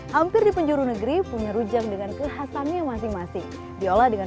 hampir di penjuru negeri punya rujang dengan kekhasannya masing masing diolah dengan